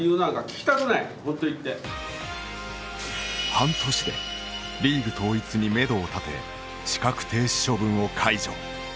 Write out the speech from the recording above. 半年でリーグ統一にめどを立て資格停止処分を解除。